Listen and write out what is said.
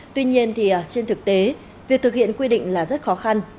tuy nhiên trên thực tế việc thực hiện quy định là rất khó khăn